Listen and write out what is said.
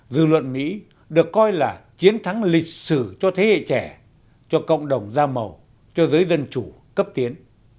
dư luận mỹ được coi là chiến thắng lịch sử cho thế hệ trẻ cho cộng đồng da màu cho giới dân chủ cấp tiến